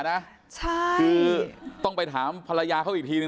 คือต้องไปถามภรรยาเขาอีกทีนึง